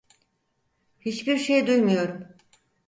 Hiçbir şey duymuyorum.